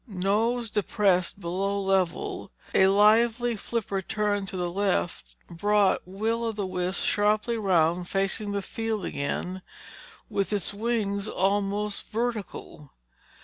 Nose depressed below level, a lively flipper turn to left brought Will o' the Wisp sharply round facing the field again with its wings almost vertical.